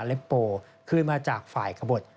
เล็ปโปคืนมาจากฝ่ายกระบด